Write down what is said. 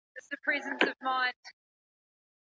صفاکاران کوم توکي کاروي؟